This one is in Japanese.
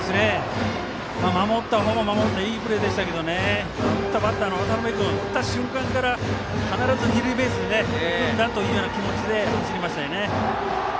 守った方もいいプレーでしたが打ったバッターの渡邊君打った瞬間から必ず二塁ベースへ行くんだという気持ちで走りましたよね。